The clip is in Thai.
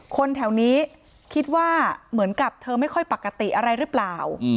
คนแถวนี้คิดว่าเหมือนกับเธอไม่ค่อยปกติอะไรหรือเปล่า